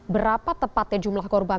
berapa tepatnya jumlah korban